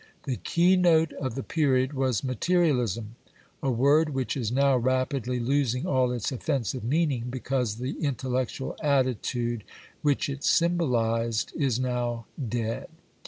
The keynote of the period was materialism, a word which is now rapidly losing all its offensive meaning, because the intellectual attitude which it symbolised is now dead.